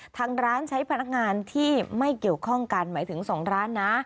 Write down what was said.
ทางร้านใช้พนักงานที่ไม่เกี่ยวข้องกันหมายถึง๒ร้านนะ